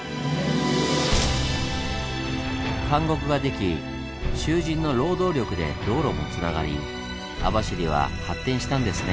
監獄ができ囚人の労働力で道路もつながり網走は発展したんですね。